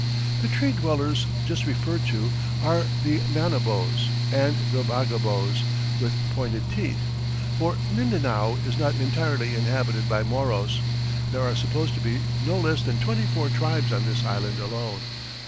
The tree dwellers just referred to are the Manobos and the Bagobos with pointed teeth for Mindanao is not entirely inhabited by Moros; there are supposed to be no less than twenty four tribes on this island alone.